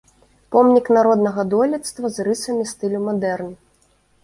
Помнік народнага дойлідства з рысамі стылю мадэрн.